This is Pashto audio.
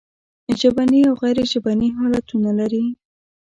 ژبني او غیر ژبني حالتونه لري.